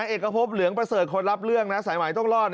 เอกพบเหลืองประเสริฐคนรับเรื่องนะสายหมายต้องรอด